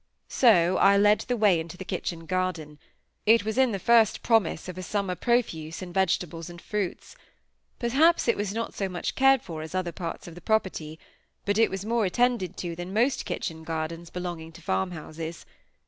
So I led the way into the kitchen garden. It was in the first promise of a summer profuse in vegetables and fruits. Perhaps it was not so much cared for as other parts of the property; but it was more attended to than most kitchen gardens belonging to farm houses.